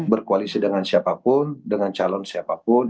berkoalisi dengan siapapun dengan calon siapapun